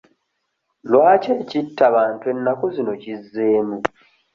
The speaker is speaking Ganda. Lwaki ekittabantu ennaku zino kizzeemu?